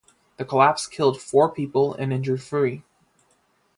The collapse killed four people and injured three.